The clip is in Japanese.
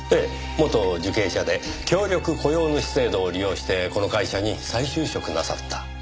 元受刑者で協力雇用主制度を利用してこの会社に再就職なさった。